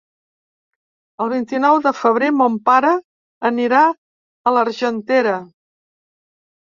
El vint-i-nou de febrer mon pare anirà a l'Argentera.